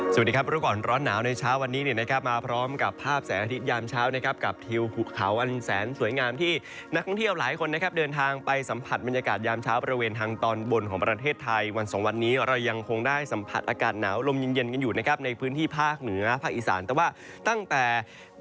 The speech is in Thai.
สวัสดีครับรู้ก่อนร้อนหนาวในเช้าวันนี้เนี่ยนะครับมาพร้อมกับภาพแสงอาทิตยามเช้านะครับกับทิวหุบเขาอันแสนสวยงามที่นักท่องเที่ยวหลายคนนะครับเดินทางไปสัมผัสบรรยากาศยามเช้าบริเวณทางตอนบนของประเทศไทยวันสองวันนี้เรายังคงได้สัมผัสอากาศหนาวลมเย็นเย็นกันอยู่นะครับในพื้นที่ภาคเหนือภาคอีสานแต่ว่าตั้งแต่